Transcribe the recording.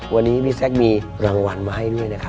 วันนี้พี่แซคมีรางวัลมาให้ด้วยนะครับ